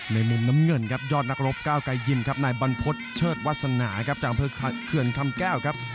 มุมน้ำเงินครับยอดนักรบก้าวไกรยิมครับนายบรรพฤษเชิดวาสนาครับจากอำเภอเขื่อนคำแก้วครับ